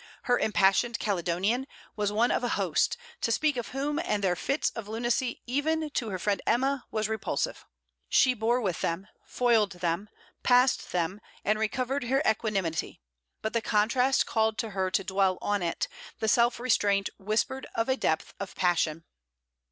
Her 'impassioned Caledonian' was one of a host, to speak of whom and their fits of lunacy even to her friend Emma, was repulsive. She bore with them, foiled them, passed them, and recovered her equanimity; but the contrast called to her to dwell on it, the self restraint whispered of a depth of passion....